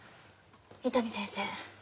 伊丹先生。